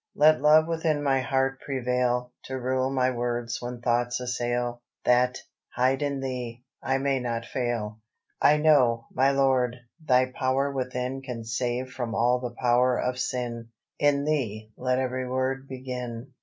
"Let love within my heart prevail, To rule my words when thoughts assail, That, hid in Thee, I may not fail. "I know, my Lord, Thy power within Can save from all the power of sin; In Thee let every word begin.